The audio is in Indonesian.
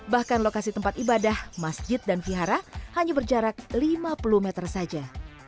bahkan lokasi tempat ibadah masjid dan vihara hanya berjarak lima puluh meter saja